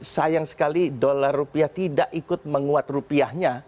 sayang sekali dolar rupiah tidak ikut menguat rupiahnya